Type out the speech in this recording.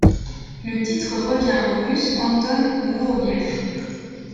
Le titre revient au Russe Anton Vorobyev.